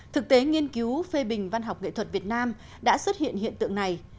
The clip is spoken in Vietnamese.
thực tế nghiên cứu phê bình văn học nghệ thuật việt nam đã xuất hiện hiện tích